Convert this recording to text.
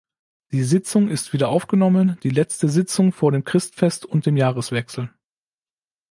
Die Sitzung ist wiederaufgenommen, die letzte Sitzung vor dem Christfest und dem Jahreswechsel.